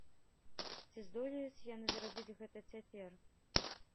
Ці здолеюць яны зрабіць гэта цяпер?